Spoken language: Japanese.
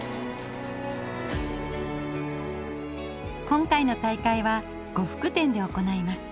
今回の大会は呉服店で行います。